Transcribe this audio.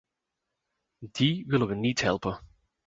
Die willen we niet helpen.